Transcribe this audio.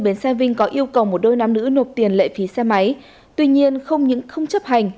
bến xe vinh có yêu cầu một đôi nam nữ nộp tiền lệ phí xe máy tuy nhiên không những không chấp hành